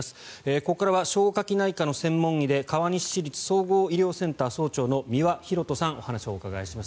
ここからは消化器内科の専門医で川西市立総合医療センター総長の三輪洋人さんお話をお伺いします。